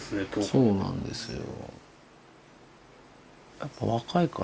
そうなんですよ。